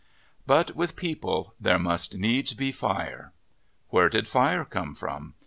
But with people there must needs be fire. Where did fire come from